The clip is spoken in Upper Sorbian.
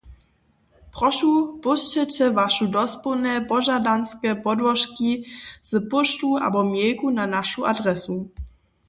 Prošu pósćelće Waše dospołne požadanske podłožki z póštu abo mejlku na našu adresu.